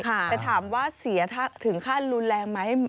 แต่ถามว่าเสียถึงขั้นรุนแรงไหม